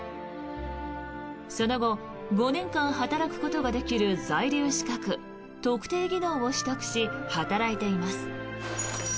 その後、５年間働くことができる在留資格特定技能を取得し働いています。